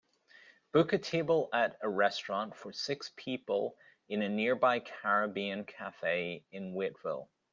book a table at a restaurant for six people in a nearby caribbean cafe in Waiteville